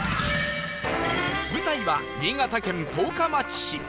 舞台は新潟県十日町市